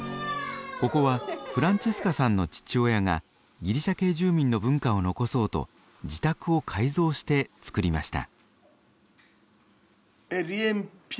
ここはフランチェスカさんの父親がギリシャ系住民の文化を残そうと自宅を改造して作りました。